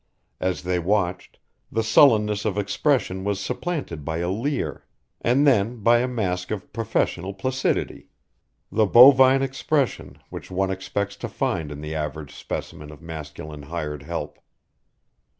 As they watched, the sullenness of expression was supplanted by a leer, and then by a mask of professional placidity the bovine expression which one expects to find in the average specimen of masculine hired help.